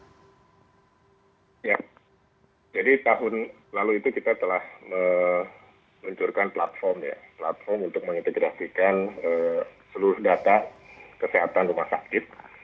ya jadi tahun lalu itu kita telah meluncurkan platform ya platform untuk mengintegrasikan seluruh data kesehatan rumah sakit